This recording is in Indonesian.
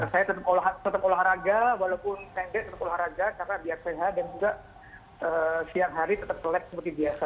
saya tetap olahraga walaupun pendek tetap olahraga karena biar sehat dan juga siang hari tetap telat seperti biasa